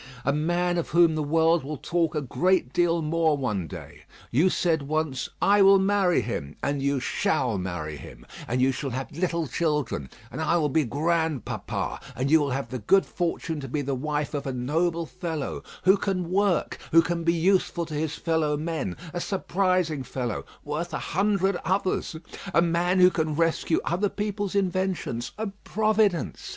A man of whom the world will talk a great deal more one day. You said once, 'I will marry him;' and you shall marry him, and you shall have little children, and I will be grandpapa; and you will have the good fortune to be the wife of a noble fellow, who can work, who can be useful to his fellow men; a surprising fellow, worth a hundred others; a man who can rescue other people's inventions, a providence!